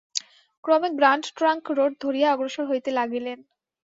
ক্রমে Grand Trunk Road ধরিয়া অগ্রসর হইতে লাগিলেন।